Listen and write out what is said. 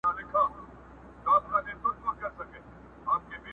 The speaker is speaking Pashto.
پېژندلی پر ایران او پر خُتن وو؛